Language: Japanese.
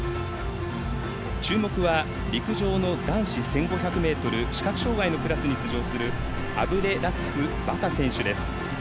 注目は陸上の男子１５００ｍ視覚障がいのクラスに出場するアブドゥルラティフ・バカ選手です。